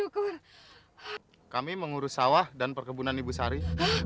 kami mengurus sawah dan perkebunan ibu sari